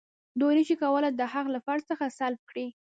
دوی نشي کولای دا حق له فرد څخه سلب کړي.